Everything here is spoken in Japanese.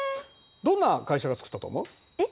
どんな会社が作ったと思う？え？